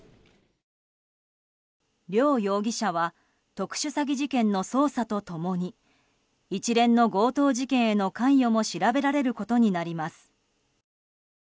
両容疑者は特殊詐欺事件の捜査と共に一連の強盗事件への関与も調べられることになります。